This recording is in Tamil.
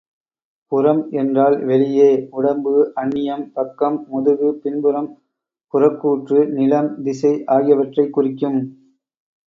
புறம் என்றால் வெளியே. உடம்பு, அன்னியம், பக்கம், முதுகு, பின்புறம், புறக்கூற்று, நிலம், திசை ஆகியவற்றைக் குறிக்கும்.